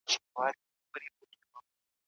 خوشحالي په معنويت کي ده.